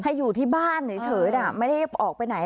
อยู่ที่บ้านเฉยไม่ได้ออกไปไหน